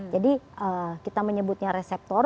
jadi kita menyebutnya reseptor